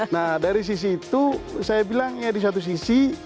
nah dari sisi itu saya bilang ya di satu sisi